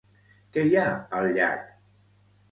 Què hi ha al llac?